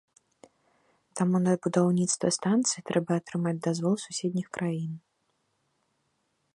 Таму на будаўніцтва станцыі трэба атрымаць дазвол суседніх краін.